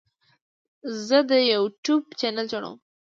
زه د یوټیوب چینل جوړوم.